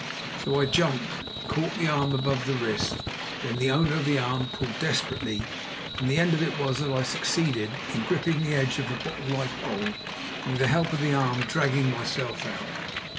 So I jumped, and caught the arm above the wrist. Then the owner of the arm pulled desperately, and the end of it was that I succeeded in gripping the edge of the bottle like hole, and, with the help of the arm, in dragging myself out.